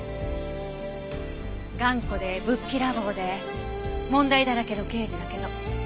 頑固でぶっきらぼうで問題だらけの刑事だけど。